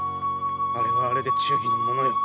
あれはあれで忠義のものよ。